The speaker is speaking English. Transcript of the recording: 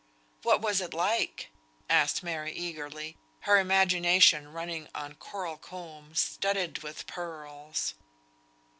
"What was it like?" asked Mary, eagerly; her imagination running on coral combs, studded with pearls.